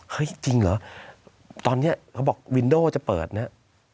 จริงเหรอตอนนี้เขาบอกวินโดจะเปิดเนี่ย